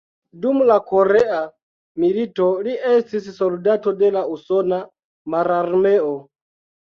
Dum la korea milito li estis soldato de la usona mararmeo.